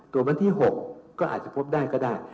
วันที่๖ก็อาจจะพบได้ก็ได้